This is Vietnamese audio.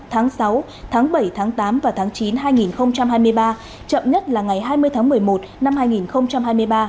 tháng sáu tháng bảy tháng tám và tháng chín hai nghìn hai mươi ba chậm nhất là ngày hai mươi tháng một mươi một năm hai nghìn hai mươi ba